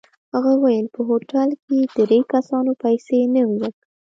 هغه وویل په هوټل کې درې کسانو پیسې نه وې ورکړې.